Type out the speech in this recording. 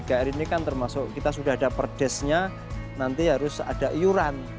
tiga r ini kan termasuk kita sudah ada perdesnya nanti harus ada iuran